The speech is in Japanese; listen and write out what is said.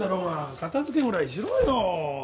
片付けくらいしろよ。